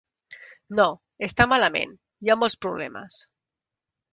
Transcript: No, està malament, hi ha molts problemes.